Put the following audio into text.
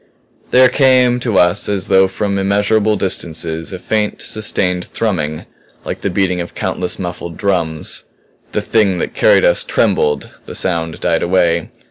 There came to us as though from immeasurable distances, a faint, sustained thrumming like the beating of countless muffled drums. The Thing that carried us trembled the sound died away.